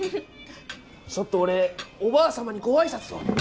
ちょっと俺おばあ様にご挨拶を。